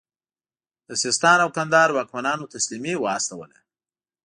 د سیستان او کندهار واکمنانو تسلیمي واستوله.